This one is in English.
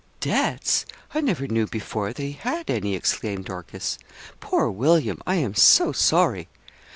'Debts! I never knew before that he had any,' exclaimed Dorcas. 'Poor William! I am so sorry.'